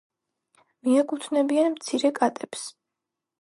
მიეკუთვნებიან მცირე კატებს.